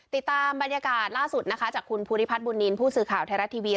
ติดตามบรรยากาศล่าสุดนะคะจากคุณภูริพัฒนบุญนินทร์ผู้สื่อข่าวไทยรัฐทีวี